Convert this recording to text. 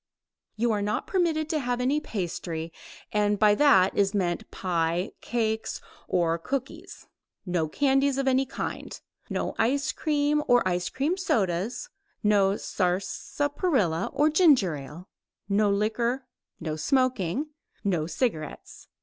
You are not permitted to have any pastry, and by that is meant pie, cakes or cookies; no candies of any kind; no ice cream or ice cream sodas, no sarsaparilla or ginger ale, no liquor, no smoking, no cigarettes.